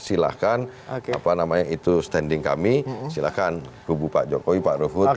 silahkan apa namanya itu standing kami silahkan kubu pak jokowi pak ruhut